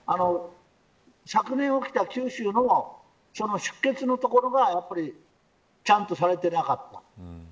昨年起きた九州の出欠のところがちゃんとされていなかった。